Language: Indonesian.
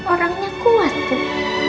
orangnya kuat tuh